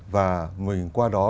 và mình qua đó